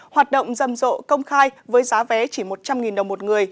hoạt động rầm rộ công khai với giá vé chỉ một trăm linh đồng một người